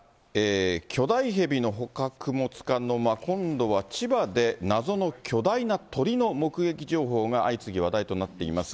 巨大ヘビの捕獲もつかの間、今度は千葉で謎の巨大な鳥の目撃情報が相次ぎ、話題となっています。